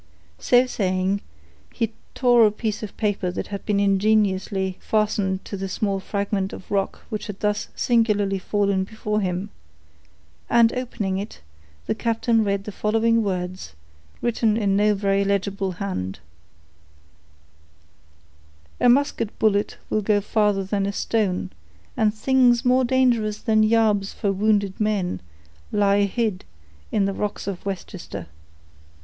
So saying, he tore a piece of paper that had been ingeniously fastened to the small fragment of rock which had thus singularly fallen before him; and opening it, the captain read the following words, written in no very legible hand: "_A musket bullet will go farther than a stone, and things more dangerous than yarbs for wounded men lie hid in the rocks of Westchester.